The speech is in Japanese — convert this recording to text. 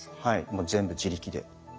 もう全部自力で。